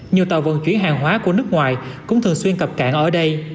nhiều tàu vận chuyển hàng hóa của nước ngoài cũng thường xuyên cập cạn ở đây